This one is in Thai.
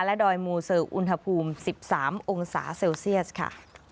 และดอยมูศึอุณหภูมิ๑๓องศาเซลเซียสค่ะ